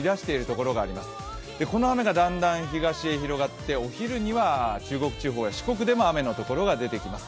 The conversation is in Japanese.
この雨がだんだん東へ広がってお昼には、中国地方や四国地方でも雨のところが出てきます。